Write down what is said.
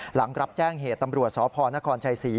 หลังรับแจ้งเหตุตำรวจสพนครชัยศรี